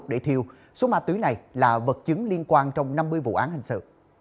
các đơn vị đưa vào lọ đốt để thiêu số ma túy này là vật chứng liên quan trong năm mươi vụ án hình sự